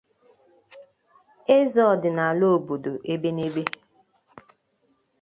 eze ọdịnala obodo Ebenebe